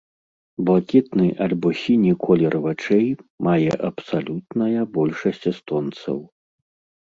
Блакітны альбо сіні колер вачэй мае абсалютная большасць эстонцаў.